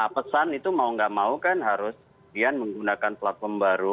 pesan itu mau nggak mau kan harus dia menggunakan platform baru